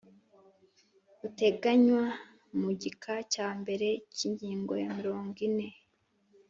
buteganywa mu gika cya mbere cy ingingo ya mirongo ine